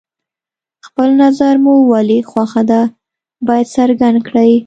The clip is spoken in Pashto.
خپل نظر مو ولې خوښه ده باید څرګند کړئ.